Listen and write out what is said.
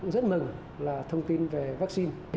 rất mừng là thông tin về vaccine